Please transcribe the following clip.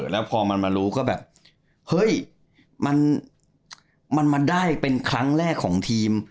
แล้วพอมันมารู้ก็แบบเฮ้ยมันมาได้เป็นครั้งแรกของทีม